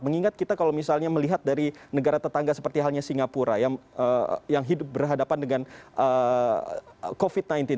mengingat kita kalau misalnya melihat dari negara tetangga seperti halnya singapura yang hidup berhadapan dengan covid sembilan belas